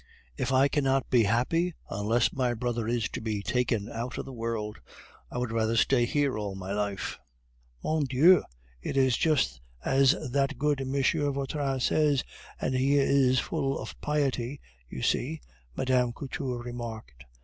"If I cannot be happy unless my brother is to be taken out of the world, I would rather stay here all my life." "Mon Dieu! it is just as that good M. Vautrin says, and he is full of piety, you see," Mme. Couture remarked.